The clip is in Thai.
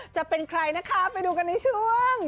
จะเป็นใครนะคะไปดูกันในช่วง